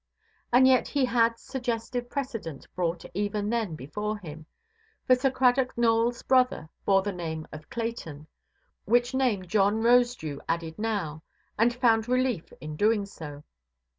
And yet he had suggestive precedent brought even then before him, for Sir Cradock Nowellʼs brother bore the name of "Clayton"; which name John Rosedew added now, and found relief in doing so.